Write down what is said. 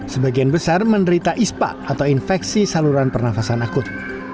sebagian besar menderita ispa atau infeksi saluran pernafasan akut